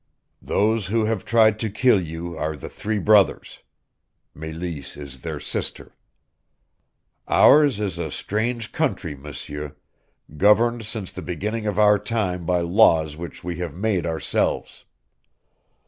"Those who have tried to kill you are the three brothers. Meleese is their sister. Ours is a strange country, M'seur, governed since the beginning of our time by laws which we have made ourselves.